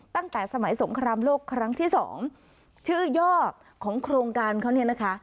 ตั้งแต่สมัยสงครามโลกครั้งที่สองชื่อย่อของโครงการเขาเนี่ยนะคะ